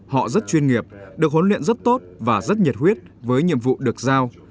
họ rất chuyên nghiệp được huấn luyện rất tốt và rất nhiệt huyết với nhiệm vụ được giao